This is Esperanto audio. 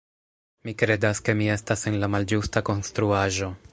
Mi kredas ke mi estas en la malĝusta konstruaĵo.